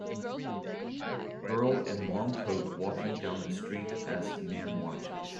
Girl in long coat walking down the street as man watches